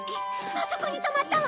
あそこに止まったわ！